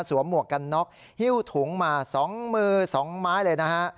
หมวกกันน็อกหิ้วถุงมา๒มือ๒ไม้เลยนะฮะ